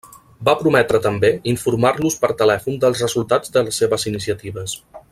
Va prometre també informar-los per telèfon dels resultats de les seves iniciatives.